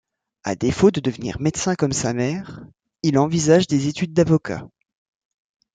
À défaut de devenir médecin comme sa mère, il envisage des études d'avocat.